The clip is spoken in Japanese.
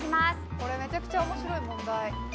これめちゃくちゃ面白い問題。